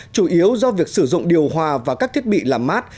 chủ yếu do việc sử dụng điều hòa và các thiết bị làm mát